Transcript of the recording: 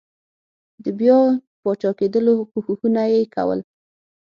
د بیا پاچاکېدلو کوښښونه یې کول.